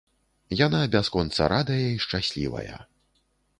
Яна бясконца радая і шчаслівая.